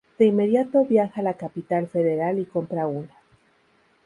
De inmediato viaja a la Capital Federal y compra una.